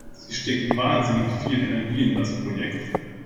Sie stecken wahnsinnig viel Energie in das Projekt.